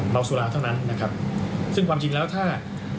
เมาสุกราศเท่านั้นซึ่งความจริงแล้วถ้า